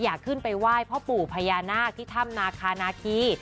อยากขึ้นไปไหว้พ่อปู่พญานาคที่ถ้ำนาคานาคี